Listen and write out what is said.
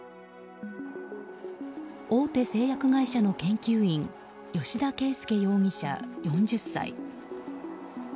大手製薬会社の研究員吉田佳右容疑者、４０歳。